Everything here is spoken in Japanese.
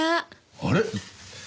あれ？